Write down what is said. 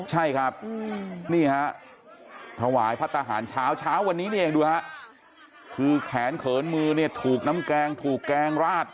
ใช่ครับนี่เนี้ยแหวแขนเขินมือเนี่ยถูกน้ำแกรงถูกแกรงราด